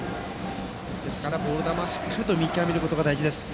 ですからボール球をしっかり見際めるのが大事です。